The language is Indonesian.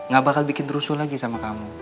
gak bakal bikin rusuh lagi sama kamu